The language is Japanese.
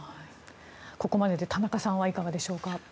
ここまでで田中さんはいかがでしょうか。